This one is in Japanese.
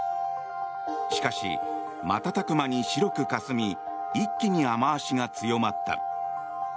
しかし、瞬く間に白くかすみ一気に雨脚が強まった。